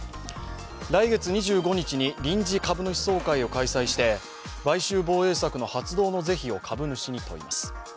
来月２５日に臨時株主総会を開催して買収防衛策の発動の是非を株主に問います。